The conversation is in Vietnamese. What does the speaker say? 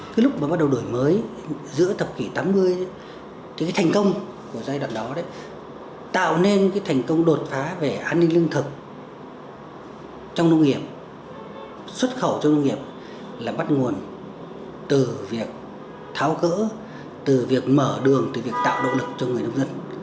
thì cái thành công của giai đoạn đó tạo nên cái thành công đột phá về an ninh lương thực trong nông nghiệp xuất khẩu trong nông nghiệp là bắt nguồn từ việc tháo cỡ từ việc mở đường từ việc tạo động lực cho người nông dân